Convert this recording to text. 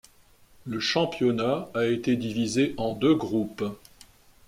Le championnat a été divisé en deux groupes.